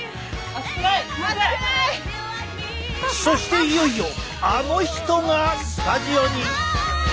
そしていよいよあの人がスタジオに！？